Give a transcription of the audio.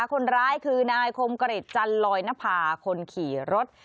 คนร้ายคือนายคมกริจจันลอยนภาคนขี่รถ